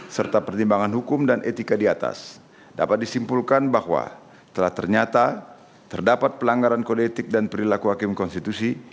serta pertimbangan hukum dan etika di atas dapat disimpulkan bahwa telah ternyata terdapat pelanggaran kode etik dan perilaku hakim konstitusi